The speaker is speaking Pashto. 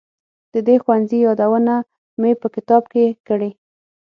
د دې ښوونځي یادونه مې په کتاب کې کړې.